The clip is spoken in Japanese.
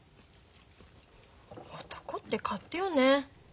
男って勝手よね。